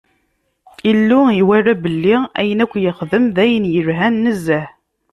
Illu iwala belli ayen akk yexdem d ayen yelhan nezzeh.